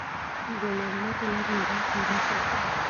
د مالوماتو نظم د عقل برخه شوه.